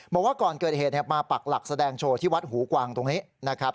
บอกว่าก่อนเกิดเหตุมาปักหลักแสดงโชว์ที่วัดหูกวางตรงนี้นะครับ